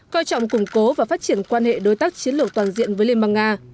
coi trọng củng cố và phát triển quan hệ đối tác chiến lược toàn diện với liên bang nga